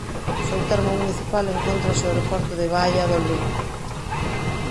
No seu termo municipal encóntrase o Aeroporto de Valladolid.